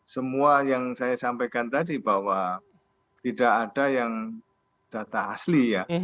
semua yang saya sampaikan tadi bahwa tidak ada yang data asli ya